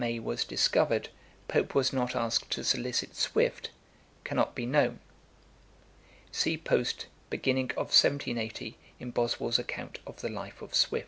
A. was discovered, Pope was not asked to solicit Swift cannot be known. See post, beginning of 1780 in BOSWELL'S account of the Life of Swift.